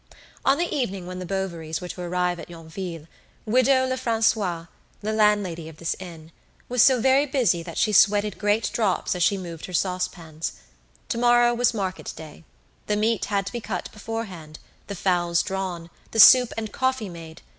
On the evening when the Bovarys were to arrive at Yonville, Widow Lefrancois, the landlady of this inn, was so very busy that she sweated great drops as she moved her saucepans. To morrow was market day. The meat had to be cut beforehand, the fowls drawn, the soup and coffee made.